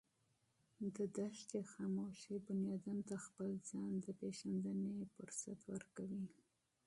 د صحرا خاموشي انسان ته د خپل ځان د پېژندنې موقع ورکوي.